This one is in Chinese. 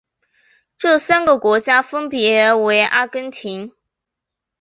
这三个国家分别为阿根廷。